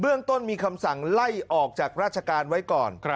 เรื่องต้นมีคำสั่งไล่ออกจากราชการไว้ก่อน